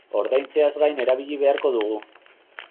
Ordaintzeaz gain erabili beharko dugu.